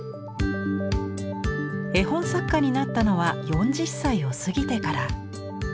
絵本作家になったのは４０歳を過ぎてから。